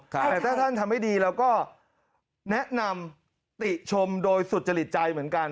แต่ถ้าท่านทำให้ดีเราก็แนะนำติชมโดยสุจริตใจเหมือนกัน